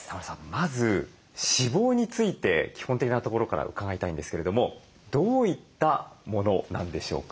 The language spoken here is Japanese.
まず脂肪について基本的なところから伺いたいんですけれどもどういったものなんでしょうか？